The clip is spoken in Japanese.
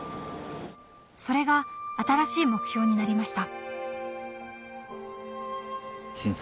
それが新しい目標になりました